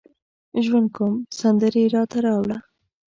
ژوند کوم سندرې راته راوړه